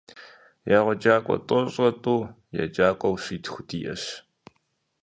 ЕгъэджакӀуэу тӀощӀрэ тӀу, еджакӏуэу щитху диӀэщ.